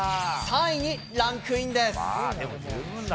３位にランクインです。